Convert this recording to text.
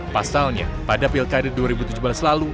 pasalnya pada pilkada dua ribu tujuh belas lalu